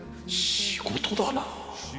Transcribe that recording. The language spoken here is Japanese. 仕事だなぁ。